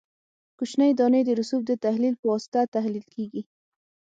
کوچنۍ دانې د رسوب د تحلیل په واسطه تحلیل کیږي